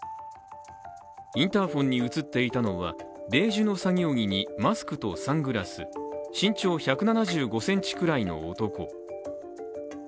インターホンに映っていたのはベージュの作業着にマスクとサングラス、身長１７５ｃｍぐらいの男。